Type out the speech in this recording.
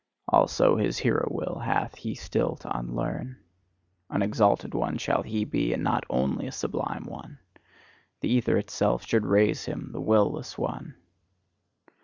Also his hero will hath he still to unlearn: an exalted one shall he be, and not only a sublime one: the ether itself should raise him, the will less one!